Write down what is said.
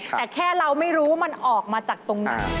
แต่แค่เราไม่รู้มันออกมาจากตรงไหน